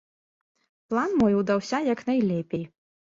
План мой удаўся як найлепей.